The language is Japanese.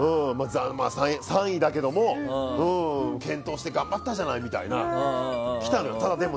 ３位だけども健闘して頑張ったじゃないってきたのよ。